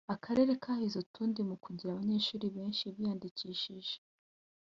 Akarere kahize utundi mu kugira abanyeshuri benshi biyandikishije